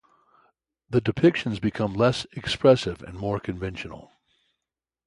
The depictions become less expressive and more conventional.